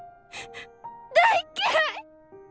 大っ嫌い！